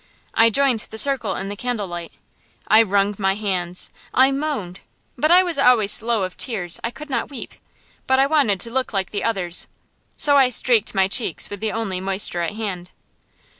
I joined the circle in the candlelight. I wrung my hands, I moaned; but I was always slow of tears I could not weep. But I wanted to look like the others. So I streaked my cheeks with the only moisture at hand.